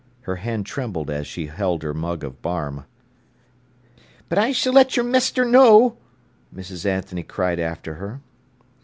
Her hand trembled as she held her mug of barm. "But I s'll let your mester know," Mrs. Anthony cried after her.